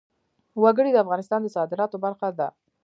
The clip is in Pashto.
وګړي د افغانستان د صادراتو برخه ده.